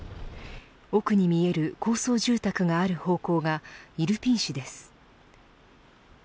奥に見える高層住宅がある方向がイルピン市です。